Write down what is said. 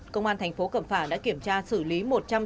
công an thành phố cẩm phả đã kiểm tra xử lý